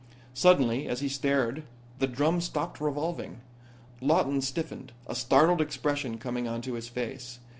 Suddenly as he stared the drum stopped revolving. Lawton stiffened, a startled expression coming into his face.